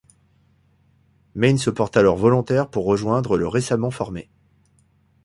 Mayne se porte alors volontaire pour rejoindre le récemment formé.